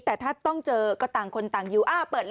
แต่ถ้าต้องเจอก็ต่างคนต่างอยู่